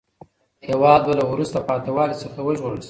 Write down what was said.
هیواد به له وروسته پاته والي څخه وژغورل سي.